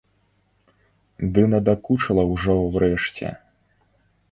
Ды надакучыла ўжо ўрэшце.